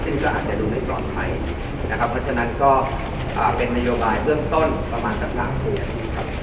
ซึ่งก็อาจจะดูไม่ปลอดภัยนะครับเพราะฉะนั้นก็เป็นนโยบายเบื้องต้นประมาณสัก๓เดือนนะครับ